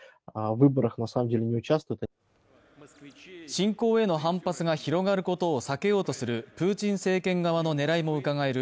侵攻への反発が広がることを避けようとするプーチン政権側の狙いもうかがえる